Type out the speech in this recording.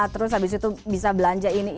terus habis itu bisa belanja ini